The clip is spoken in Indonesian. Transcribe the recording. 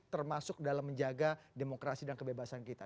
termasuk dalam menjaga demokrasi dan kebebasan kita